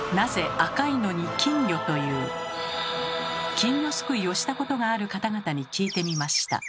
金魚すくいをしたことがある方々に聞いてみました。